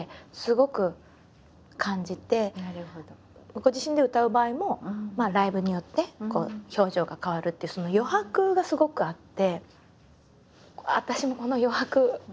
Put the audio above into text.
ご自身で歌う場合もライブによって表情が変わるってその余白がすごくあって。